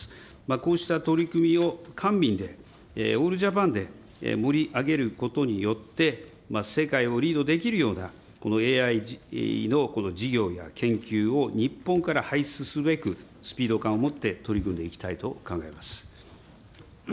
こうした取り組みを官民で、オールジャパンで盛り上げることによって、世界をリードできるようなＡＩの事業や研究を日本から輩出すべくスピード感を持って取り組んでいきたいと考えます。